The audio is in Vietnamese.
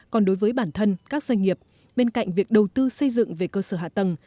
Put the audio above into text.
còn đối với bản thân các doanh nghiệp bên cạnh việc đầu tư xây dựng về cơ sở hạ tầng